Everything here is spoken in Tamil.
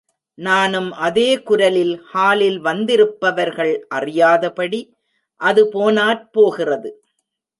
நானும் அதே குரலில் ஹாலில் வந்திருப்பவர்கள் அறியாதபடி, அது போனாற் போகிறது.